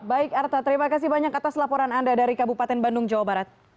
baik arta terima kasih banyak atas laporan anda dari kabupaten bandung jawa barat